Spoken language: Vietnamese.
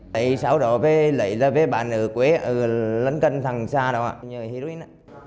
lấy sau đó về lấy ra về bàn ở quê ở lân cân thằng xa đó nhờ heroin